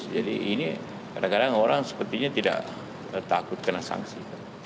jadi ini kadang kadang orang sepertinya tidak takut kena sanksi